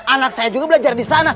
anak saya juga belajar di sana